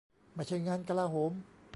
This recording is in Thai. ไม่ใช่งานกลาโหม